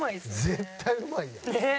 絶対うまいやん。